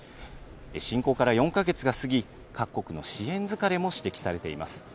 侵攻から４か月が過ぎ、各国の支援疲れも指摘されています。